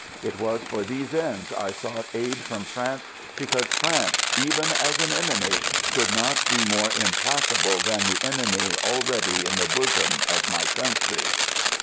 It was for these ends I sought aid from France, because France, even as an enemy, could not be more implacable than the enemy already in the bosom of my country.